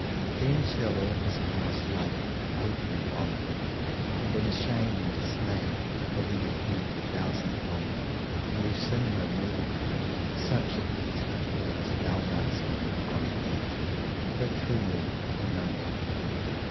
Then shall all his past life open upon him, and in shame and dismay will he repent a thousand fold, and will sin no more. Such, at least, are thoughts of our wise men upon the matter; but truly we know not.